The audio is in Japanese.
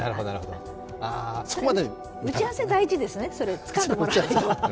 打ち合わせ大事ですね、つかんでもらうの。